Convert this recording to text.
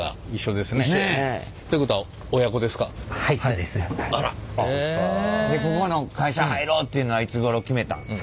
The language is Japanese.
でここの会社入ろうっていうのはいつごろ決めたん？